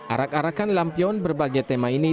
arak arakan lampion berbagai tema ini